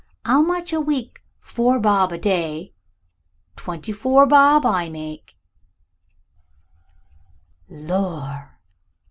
'Ow much a week's four bob a day? Twenty four bob I make it." "Lor!"